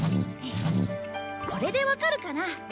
これでわかるかな？